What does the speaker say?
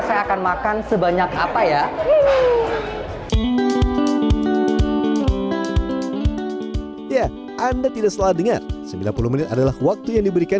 saya akan makan sebanyak apa ya ya anda tidak salah dengar sembilan puluh menit adalah waktu yang diberikan